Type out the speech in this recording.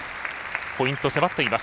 ポイント、迫っています。